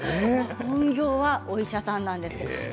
本業はお医者さんなんです。